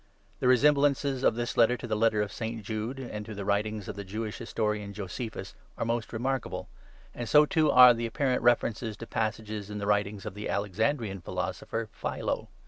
The re semblances of this Letter to the ' Letter of St. Jude,' and to the writings of the Jewish historian Josephus, are most re markable ; and so, too, are the apparent references to passages in the writings of the Alexandrian Philosopher, Philo.